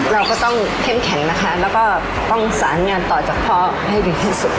เราก็ต้องเข้มแข็งนะคะแล้วก็ต้องสารงานต่อจากพ่อให้ดีที่สุด